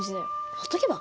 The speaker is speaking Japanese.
ほっとけば？